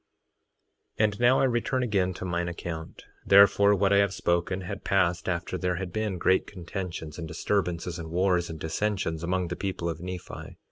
3:17 And now I return again to mine account; therefore, what I have spoken had passed after there had been great contentions, and disturbances, and wars, and dissensions, among the people of Nephi.